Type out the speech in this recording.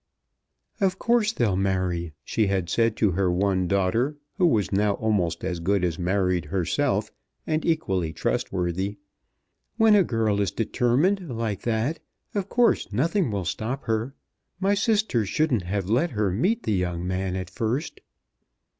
"Of course they'll marry," she had said to her one daughter, who was now almost as good as married herself, and equally trustworthy. "When a girl is determined like that, of course nothing will stop her. My sister shouldn't have let her meet the young man at first."